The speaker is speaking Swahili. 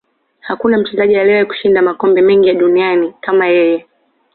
Hakuna mchezaji aliyewahi kushinda makombe mengi ya dunia kama yeye